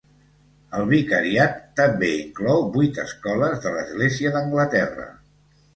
El vicariat també inclou vuit escoles de l'Església d'Anglaterra.